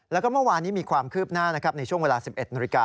แล้วก็เมื่อวานนี้มีความคืบหน้าในช่วงเวลา๑๑น